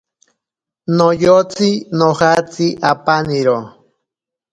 Noyotsi nojatsi apaniro.